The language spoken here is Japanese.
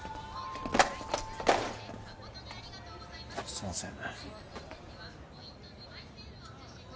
すいません。